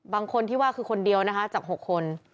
บางคนที่ว่าคือคนเดียวนะคะจาก๖คน